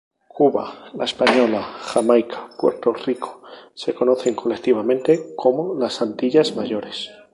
Cuba, La Española, Jamaica y Puerto Rico se conocen colectivamente como las Antillas Mayores.